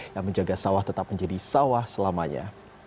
yang menjaga sawah tetap menjadi sawah selamanya